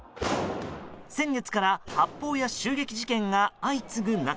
先月から発砲や襲撃事件が相次ぐ中